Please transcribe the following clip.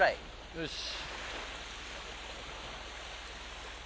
よし。